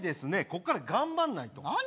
こっから頑張んないと何？